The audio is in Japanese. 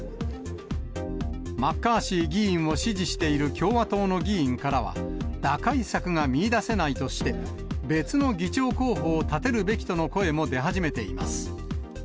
マッカーシー議員を支持している共和党の議員からは、打開策が見いだせないとして、別の議長候補を立てるべきとの声も出始めています。